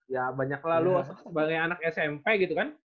ya banyak lah lu masuk sebagai anak smp gitu kan